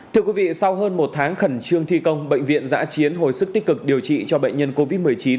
thưa quý vị sau hơn một tháng khẩn trương thi công bệnh viện giã chiến hồi sức tích cực điều trị cho bệnh nhân covid một mươi chín